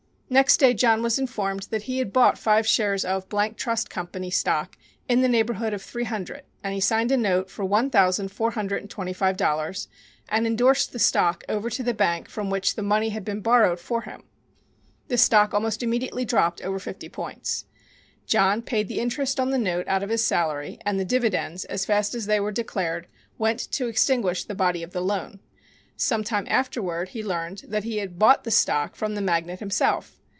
Next day John was informed that he had bought five shares of Trust Company stock in the neighborhood of three hundred, and he signed a note for one thousand four hundred and twenty five dollars, and indorsed the stock over to the bank from which the money had been borrowed for him. The stock almost immediately dropped over fifty points. John paid the interest on the note out of his salary, and the dividends, as fast as they were declared, went to extinguish the body of the loan. Some time afterward he learned that he had bought the stock from the magnate himself.